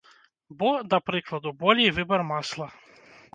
Бо, да прыкладу, болей выбар масла!